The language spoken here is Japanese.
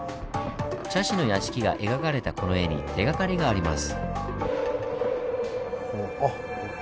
茶師の屋敷が描かれたこの絵に手がかりがあります。